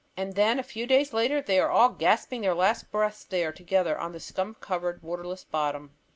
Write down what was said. And then a few days later they are all gasping their last breaths there together on the scum covered, waterless bottom.